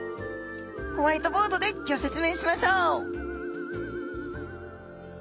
ホワイトボードでギョ説明しましょう！